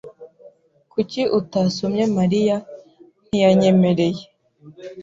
"Kuki utasomye Mariya?" "Ntiyanyemereye."